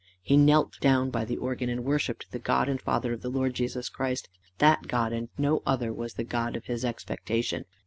He knelt down by the organ and worshipped the God and Father of the Lord Jesus Christ that God and no other was the God of his expectation.